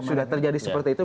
sudah terjadi seperti itu